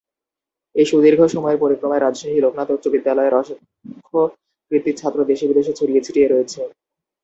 এই সুদীর্ঘ সময়ের পরিক্রমায় রাজশাহী লোকনাথ উচ্চ বিদ্যালয়ের অসংখ্য কৃতি ছাত্র দেশ-বিদেশে ছড়িয়ে ছিটিয়ে রয়েছে।